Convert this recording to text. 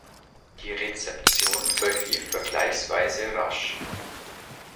Die Rezeption verlief vergleichsweise rasch.